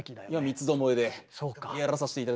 三つどもえでやらさせて頂いております。